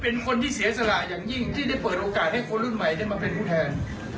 เป็นคนที่เสียสละอย่างยิ่งที่ได้เปิดโอกาสให้คนรุ่นใหม่ได้มาเป็นผู้แทน